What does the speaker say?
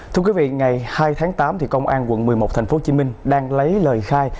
thưa quý vị ngày hai tháng tám công an quận một mươi một tp hcm đang lấy lời khai